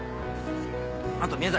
あと宮崎